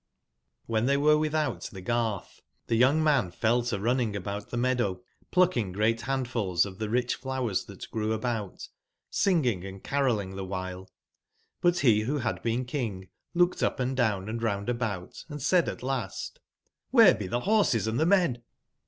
IRBJV tbey were witbout tbe gartb, tbe young man fell to running about tbe mea M> dow plucking great bandfuls of tbe ricb flowers tbat grew about, singing and carolling tbe wbile. But be wbo bad been king looked up & down and round about, and said at last: ''SIbere be tbe borses and tbe men?